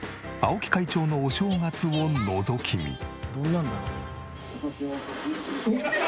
青木会長のお正月をのぞき見。